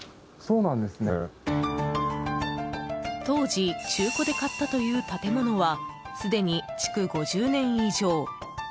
当時中古で買ったという建物はすでに築５０年以上。